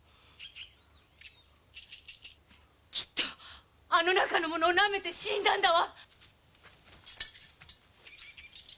きっとあの中のものをなめて死んだんだわ。